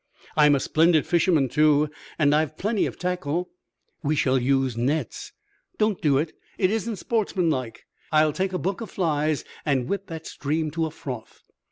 "I'm a splendid fisherman, too, and I've plenty of tackle." "We shall use nets." "Don't do it! It isn't sportsmanlike. I'll take a book of flies and whip that stream to a froth."